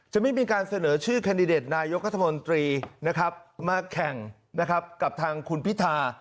ไม่มีการเสนอชื่อแคนดิเดตนายกรัฐมนตรีนะครับมาแข่งนะครับกับทางคุณพิธา